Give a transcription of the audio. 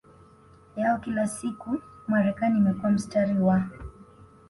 yao ya kila siku Marekani imekuwa mstari wa